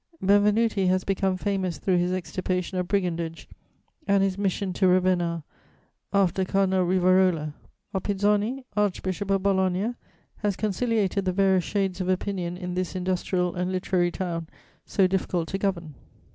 Benvenuti has become famous through his extirpation of brigandage and his mission to Ravenna after Cardinal Rivarola; Oppizoni, Archbishop of Bologna, has conciliated the various shades of opinion in this industrial and literary town so difficult to govern.